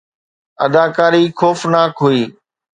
اداڪاري خوفناڪ هئي